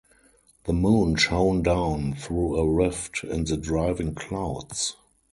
The moon shone down through a rift in the driving clouds.